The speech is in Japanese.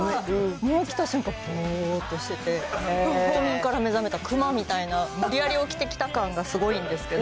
起きた瞬間、ぼーっとしてて、冬眠から目覚めたクマみたいな、無理やり起きてきた感がすごいんですけど。